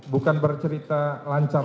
bukan bercerita lancar